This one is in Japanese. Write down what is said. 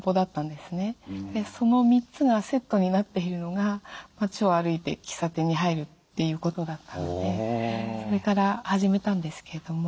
でその３つがセットになっているのが町を歩いて喫茶店に入るということだったのでそれから始めたんですけれども。